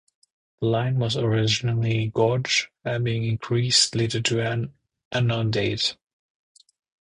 The line was originally gauge, being increased later to at an unknown date.